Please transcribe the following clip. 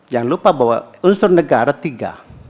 jangan lupa bahwa unsur negara tiga